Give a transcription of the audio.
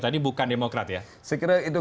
tadi bukan demokrat ya saya kira itu